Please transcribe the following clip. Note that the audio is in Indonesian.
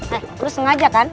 he lu sengaja kan